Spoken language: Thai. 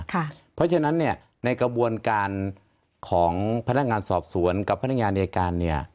เพราะฉะนั้นในกระบวนการของพนักงานสอบสวนกับพนักงานอายการ